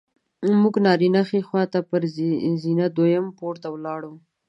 موږ نارینه ښي خوا ته پر زینه دویم پوړ ته ولاړو.